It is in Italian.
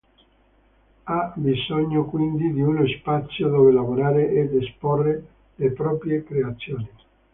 Ha bisogno quindi di uno spazio dove lavorare ed esporre le proprie creazioni.